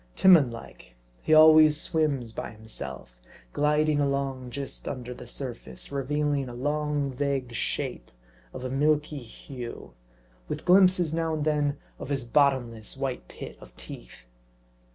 Timon like, he always swims by himself; gliding along just under the surface, revealing a long, vague shape, of a milky hue ; with glimpses now and then of his bottomless white pit of teeth.